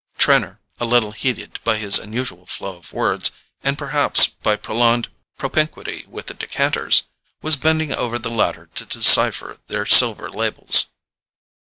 Trenor, a little heated by his unusual flow of words, and perhaps by prolonged propinquity with the decanters, was bending over the latter to decipher their silver labels.